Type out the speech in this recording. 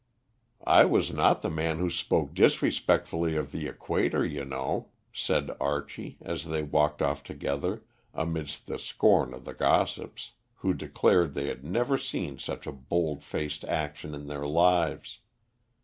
"I was not the man who spoke disrespectfully of the equator, you know," said Archie, as they walked off together, amidst the scorn of the gossips, who declared they had never seen such a bold faced action in their lives.